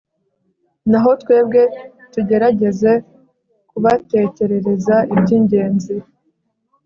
naho twebwe tugerageze kubatekerereza iby'ingenzi